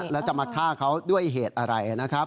แล้วจะมาฆ่าเขาด้วยเหตุอะไรนะครับ